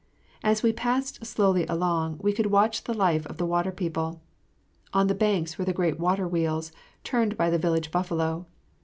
As we passed slowly along we could watch the life of the water people. On the banks were the great water wheels turned by the village buffalo.